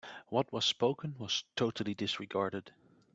What was spoken was totally disregarded.